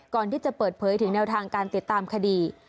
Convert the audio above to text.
ก่อนที่จะเปิดเผยถึงแนวทางการติดตามคดี